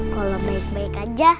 kalau baik baik aja